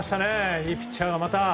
いいピッチャーがまた。